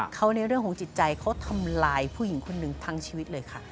เขาในเรื่องของจิตใจเขาทำลายผู้หญิงคนหนึ่งทั้งชีวิตเลยค่ะ